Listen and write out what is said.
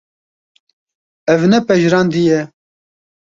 Ev ne pejirandî ye.